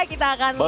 kita akan lihat